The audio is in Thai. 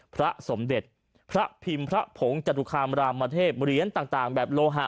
พระสมเด็จพระพิมพ์พระผงจตุคามรามเทพเหรียญต่างแบบโลหะ